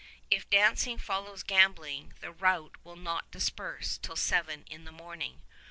If dancing follows gambling, the rout will not disperse till seven in the morning.